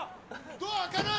ドア開かない？